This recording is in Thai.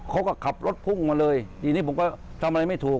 เขาก็ขับรถพุ่งมาเลยทีนี้ผมก็ทำอะไรไม่ถูก